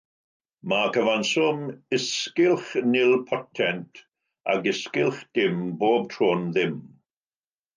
Mae cyfanswm is-gylch nilpotent ac is-gylch dim bob tro'n ddim.